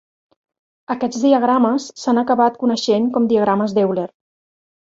Aquests diagrames s'han acabat coneixent com diagrames d'Euler.